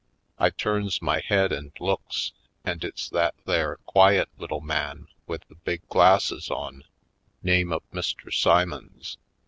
I turns my head and looks, and it's that there quiet little man with the big glasses on, name of Mr. Simons.